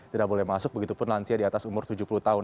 tidak boleh masuk begitu pun lansia di atas umur tujuh puluh tahun